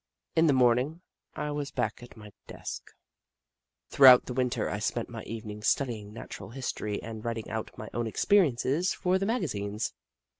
In the morning I was back at my desk. Throughout the Winter I spent my evenings studying Natural History and writing out my own experiences for the magazines.